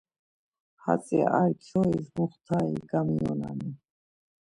Hatzi ar kyois muxtari gamiyonanen.